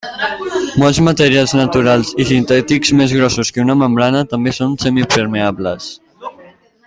Molts materials naturals i sintètics més grossos que una membrana també són semipermeables.